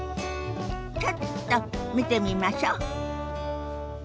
ちょっと見てみましょ。